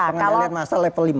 pengendalian masa level lima